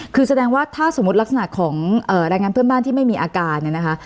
คือแสดงว่าถ้าเรื่องลักษณะของรายงานเพื่อนบ้านที่ไม่มีอาการ